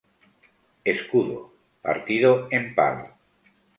Escudo: partido en pal.